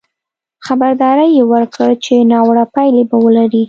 خبرداری یې ورکړ چې ناوړه پایلې به ولري.